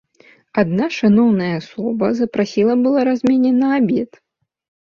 Адна шаноўная асоба запрасіла была раз мяне на абед.